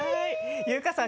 優香さん